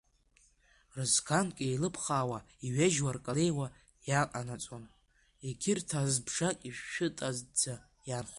Рызганк еилыԥхаауа, иҩежь-уаркалеиуа иааҟанаҵон, егьырҭ азбжак шәытаӡа иаанхон.